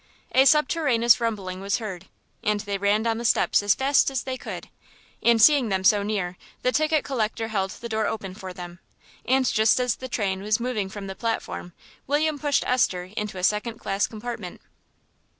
A subterraneous rumbling was heard, and they ran down the steps as fast as they could, and seeing them so near the ticket collector held the door open for them, and just as the train was moving from the platform William pushed Esther into a second class compartment.